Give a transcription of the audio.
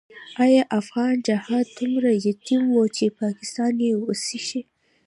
آیا افغان جهاد دومره یتیم وو چې پاکستان یې وصي شي؟